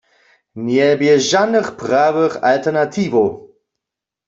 Njebě žanych prawych alternatiwow.